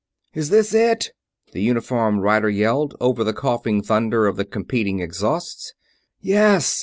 "Is this IT?" the uniformed rider yelled, over the coughing thunder of the competing exhausts. "Yes!"